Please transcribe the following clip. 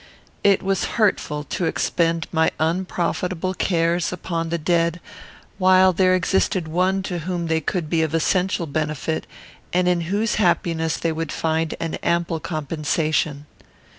It was hurtful to expend my unprofitable cares upon the dead, while there existed one to whom they could be of essential benefit, and in whose happiness they would find an ample compensation.